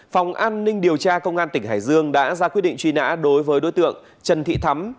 phòng an ninh điều tra công an tỉnh hải dương đã ra quyết định truy nã đối với đối tượng trần thị thắm